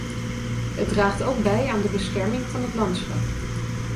Het draagt ook bij aan de bescherming van het landschap.